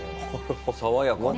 爽やかな。